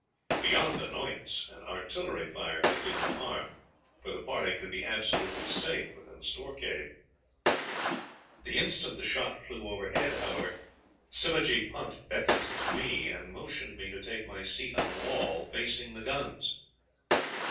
Beyond annoyance, an artillery fire could do no harm, for the party could be absolutely safe in the store cave. The instant the shot flew overhead, however, Sivajee Punt beckoned to me, and motioned me to take my seat on the wall facing the guns.